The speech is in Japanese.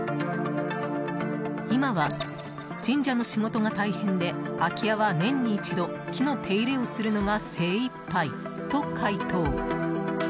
今は神社の仕事が大変で空き家は年に一度、木の手入れをするのが精いっぱいと回答。